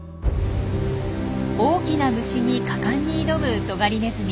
大きな虫に果敢に挑むトガリネズミ。